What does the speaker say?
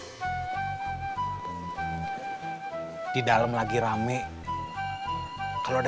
mungkin baiknya ponsel francino goubaz sendiri ngajar posisi